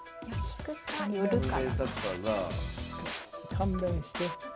勘弁して。